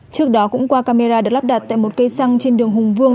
trước đó cũng qua camera được lắp đặt tại một cây xăng trên đường hùng vương